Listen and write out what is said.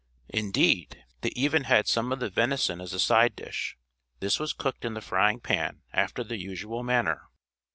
Indeed, they even had some of the venison as a side dish; this was cooked in the frying pan after the usual manner.